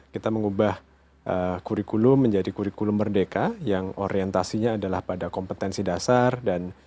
kita mengubah kurikulum menjadi kurikulum merdeka yang orientasinya adalah pada kompetensi dasar dan